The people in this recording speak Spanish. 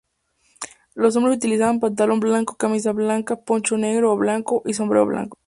Los hombres utilizan pantalón blanco, camisa blanca, poncho negro o blanco y sombrero blanco.